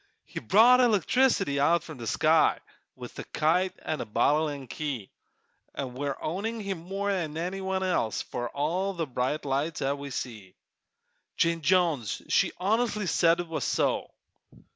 He brought electricity out of the sky, With a kite an' a bottle an' key, An' we're owing him more'n any one else For all the bright lights 'at we see. Jane Jones she honestly said it was so!